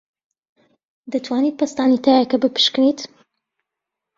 دەتوانیت پەستانی تایەکە بپشکنیت؟